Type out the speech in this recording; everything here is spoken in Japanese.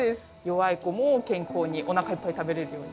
弱い子も健康におなかいっぱい食べれるように。